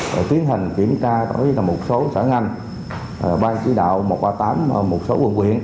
để tiến hành kiểm tra tổ chức là một số xã ngành ban chỉ đạo một trăm ba mươi tám một số quận quyện